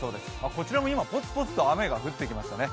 こちらも今ポツポツと雨降ってきましたね。